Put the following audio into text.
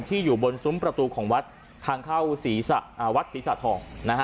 อยู่บนซุ้มประตูของวัดทางเข้าวัดศรีสะทอง